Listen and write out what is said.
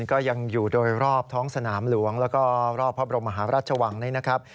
ก็ยังอยู่โดยรอบท้องสนามหลวงแล้วก็รอบพระบรมมหาราชวังนี้นะครับ